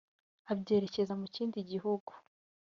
abyerekeza mu kindi gihugu